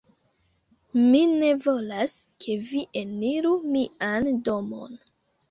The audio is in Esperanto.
Mi ne volas, ke vi eniru mian domon